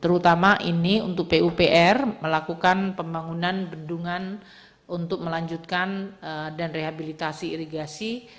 terutama ini untuk pupr melakukan pembangunan bendungan untuk melanjutkan dan rehabilitasi irigasi